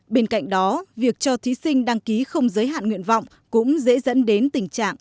bên cạnh đó việc cho thí sinh đăng ký không giới hạn nguyện vọng cũng dễ dẫn đến tình trạng